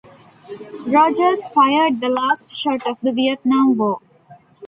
"Rogers" fired the last shot of the Vietnam War.